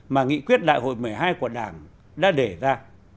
mà nghị quyết đại hội một mươi hai của đảng đã đề ra